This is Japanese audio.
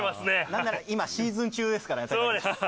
なんなら今シーズン中ですから。